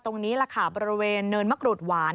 ตรงนี้แหละค่ะบริเวณเนินมะกรูดหวาน